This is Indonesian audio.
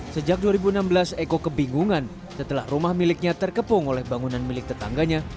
sejak dua ribu enam belas eko kebingungan setelah rumah miliknya terkepung oleh bangunan milik tetangganya